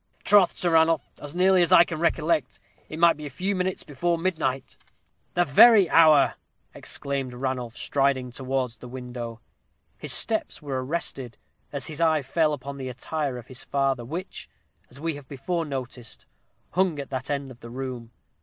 "Troth, Sir Ranulph, as nearly as I can recollect, it might be a few minutes before midnight." "The very hour!" exclaimed Ranulph, striding towards the window. His steps were arrested as his eye fell upon the attire of his father, which, as we have before noticed, hung at that end of the room.